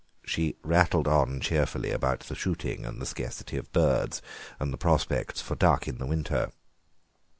She rattled on cheerfully about the shooting and the scarcity of birds, and the prospects for duck in the winter.